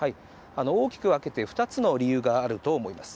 大きく分けて２つの理由があると思います。